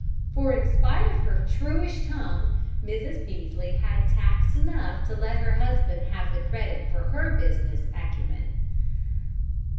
For, in spite of her shrewish tongue, Mrs. Peaslee had tact enough to let her husband have the credit for her business acumen.